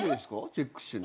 チェックしてるの。